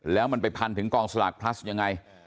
แล้วมันไปพันถึงกองสลากพลัสยังไง